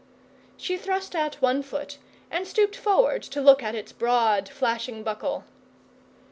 She thrust out one foot, and stooped forward to look at its broad flashing buckle.